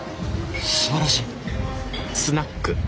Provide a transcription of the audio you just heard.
すばらしい！